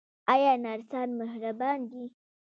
آیا نرسان مهربان دي؟